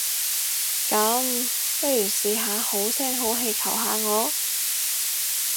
噉，不如試下好聲好氣求下我？